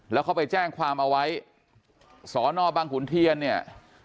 แล้วเขาไปแจ้งความเอาไว้สอนอบังขุนเทียนเนี่ย